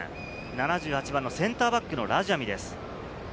７８番のセンターバックのラジャミです。